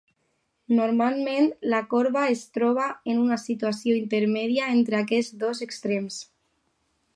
Normalment la corba es troba en una situació intermèdia entre aquests dos extrems.